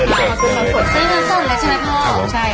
เส้นเงินสนแหละใช่ไหมพ่อ